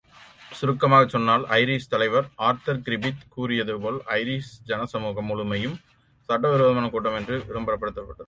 சுருக்கமாய்ச் சொன்னால் ஐரிஷ் தலைவர் ஆர்தர்கிரிபித் கூறியது போல் ஐரிஷ் ஜனசமுகம் முழுமையும் சட்டவிரோதமான கூட்டம் என்று விளம்பரப்படுத்தப்பட்டது!